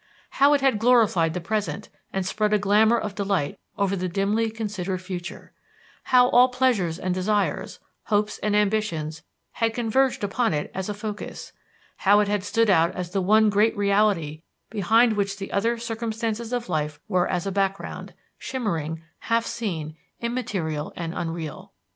How it had glorified the present and spread a glamor of delight over the dimly considered future: how all pleasures and desires, hopes and ambitions, had converged upon it as a focus; how it had stood out as the one great reality behind which the other circumstances of life were as a background, shimmering, half seen, immaterial and unreal.